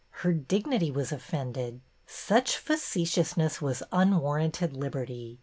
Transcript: Her dignity was offended. Such fa cetiousness was unwarranted liberty.